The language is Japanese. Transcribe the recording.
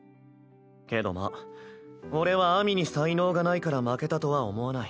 けどまあ俺は秋水に才能がないから負けたとは思わない。